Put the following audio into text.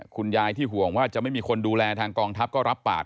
คุณยายที่ห่วงว่าจะไม่มีคนดูแลทางกองทัพก็รับปาก